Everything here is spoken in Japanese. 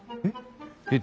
えっ？